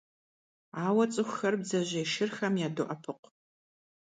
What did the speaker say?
Ауэ цӀыхухэр бдзэжьей шырхэм ядоӀэпыкъу.